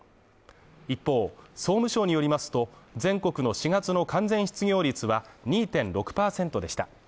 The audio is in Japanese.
一方、総務省によりますと、全国の４月の完全失業率は２．６％でした。